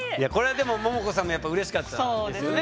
ももこさんもうれしかったですよね。